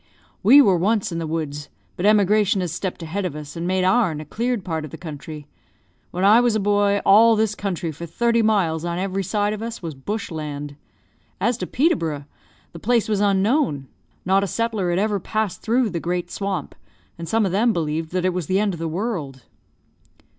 "We were once in the woods, but emigration has stepped ahead of us, and made our'n a cleared part of the country. When I was a boy, all this country, for thirty miles on every side of us, was bush land. As to Peterborough, the place was unknown; not a settler had ever passed through the great swamp, and some of them believed that it was the end of the world."